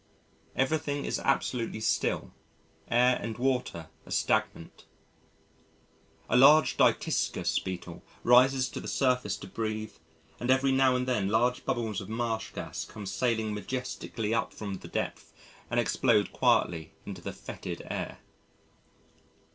Everything is absolutely still, air and water are stagnant. A large Dytiscus beetle rises to the surface to breathe and every now and then large bubbles of marsh gas come sailing majestically up from the depth and explode quietly into the fetid air.